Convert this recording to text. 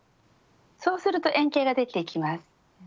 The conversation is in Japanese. そうすると円形ができてきます。